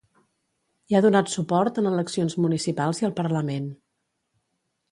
Hi ha donat suport en eleccions municipals i al parlament.